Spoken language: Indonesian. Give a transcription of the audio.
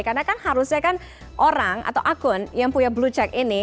karena kan harusnya kan orang atau akun yang punya blue check ini